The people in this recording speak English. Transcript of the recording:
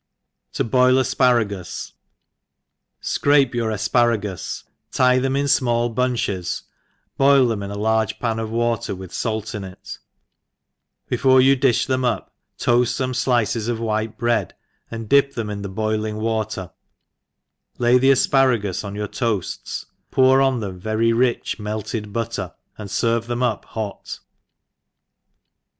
To 78 THE EXPERIENCED Tc boil Asparagus. SCRAPE jrcmr afparagus, tie them in fmall bunches, boil them in a large pan of water with fait in it ; before you di{h them up toall fome flfceaof white bread, and dip them in the boil* ing water, lay the afparagus on your toaAs^ pour on them very rich melted butter^ and ferva them up hot.